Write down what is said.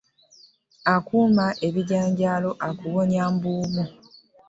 Akumma ebijanjalo akuwonya mbubu .